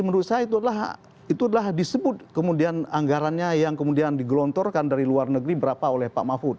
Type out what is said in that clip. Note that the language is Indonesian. menurut saya itu adalah disebut kemudian anggarannya yang kemudian digelontorkan dari luar negeri berapa oleh pak mahfud